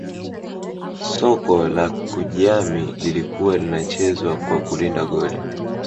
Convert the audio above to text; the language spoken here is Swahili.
soka la kujiami lilikuwa linachezwa kwa kulinda goli